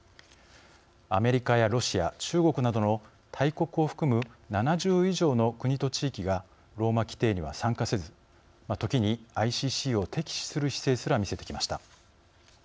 アメリカやロシア、中国などの大国を含む７０以上の国と地域がローマ規程には参加せず時にＩＣＣを敵視する姿勢すら見せてきました。